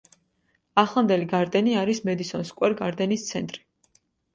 ახლანდელი გარდენი არის მედისონ სკვერ გარდენის ცენტრი.